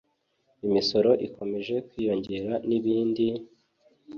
imisoro ikomeje kwiyongera n’ibindi…